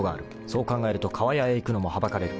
そう考えるとかわやへ行くのもはばかれる。